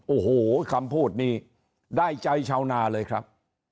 โอ้โหคำพูดนี้ได้ใจชาวนาเลยครับ